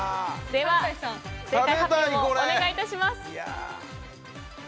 では、正解発表お願いいたします。